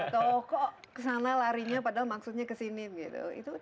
atau kok kesana larinya padahal maksudnya kesini gitu